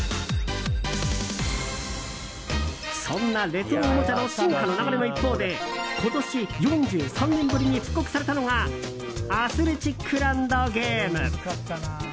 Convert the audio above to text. そんなレトロおもちゃの進化の流れの一方で今年４３年ぶりに復刻されたのがアスレチックランドゲーム。